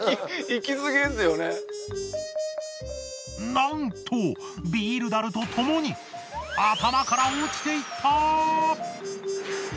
なんとビール樽とともに頭から落ちていった！